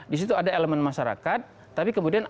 di situ ada elemen masyarakat tapi kemudian